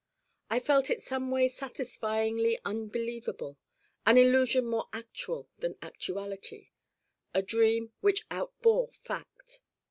I felt it someway satisfyingly unbelievable an illusion more actual than actuality: a dream which outbore fact.